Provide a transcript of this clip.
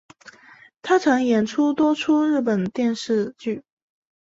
她曾演出多出日本电视剧。